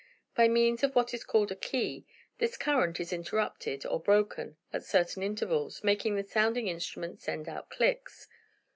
By means of what is called a 'key' this current is interrupted, or broken, at certain intervals, making the sounding instrument send out clicks.